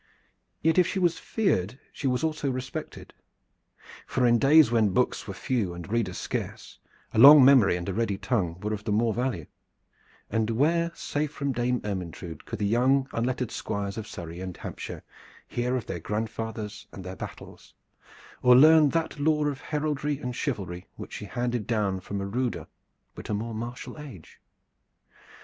Yet if she was feared she was also respected, for in days when books were few and readers scarce, a long memory and a ready tongue were of the more value; and where, save from Dame Ermyntrude, could the young unlettered Squires of Surrey and Hampshire hear of their grandfathers and their battles, or learn that lore of heraldry and chivalry which she handed down from a ruder but a more martial age?